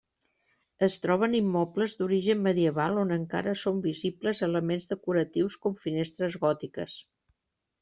Es troben immobles d'origen medieval on encara són visibles elements decoratius com finestres gòtiques.